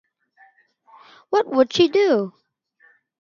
What would she do?